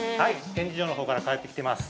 展示場のほうから帰ってきてます。